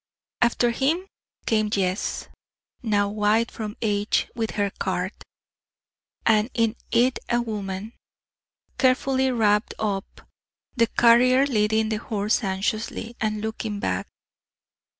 After him came Jess, now white from age, with her cart; and in it a woman, carefully wrapped up the carrier leading the horse anxiously, and looking back.